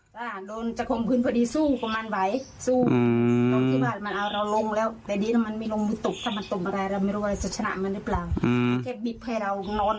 แล้วมันจะลึกขึ้นคางขาอยากจะแถวมัน